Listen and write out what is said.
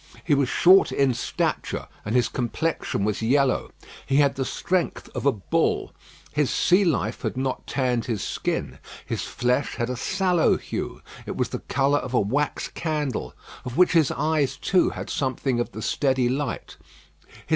He was short in stature, and his complexion was yellow. He had the strength of a bull. His sea life had not tanned his skin; his flesh had a sallow hue; it was the colour of a wax candle, of which his eyes, too, had something of the steady light.